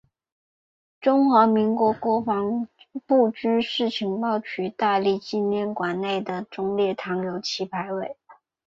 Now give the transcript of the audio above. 中华民国国防部军事情报局戴笠纪念馆内的忠烈堂有其牌位。